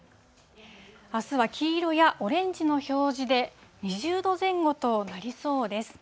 あすは黄色やオレンジの表示で、２０度前後となりそうです。